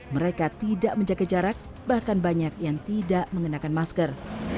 mereka tidak menjaga jarak bahkan banyak yang tidak mengenakan masker